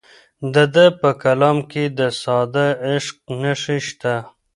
د ده په کلام کې د ساده عشق نښې شته.